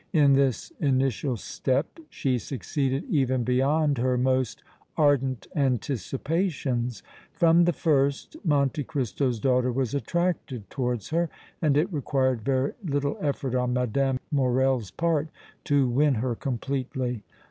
In this initial step she succeeded even beyond her most ardent anticipations. From the first Monte Cristo's daughter was attracted towards her, and it required very little effort on Mme. Morrel's part to win her completely.